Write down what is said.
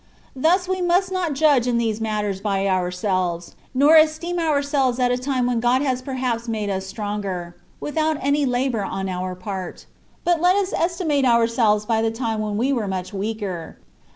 Thus we must not judge in these matters by ourselves, nor esteem ourselves at a time when God has perhaps made us stronger — ^without any labour on our part ; but let us estimate ourselves by the time when we were much weaker.